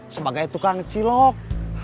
sebagai tukang cilok